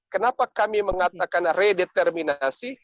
kenapa kami mengatakan re determinasi